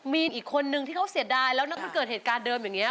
มีนอีกคนนึงที่เขาเสียดายแล้วแล้วมันเกิดเหตุการณ์เดิมอย่างนี้